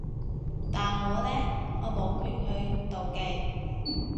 但我呢？我冇權去妒忌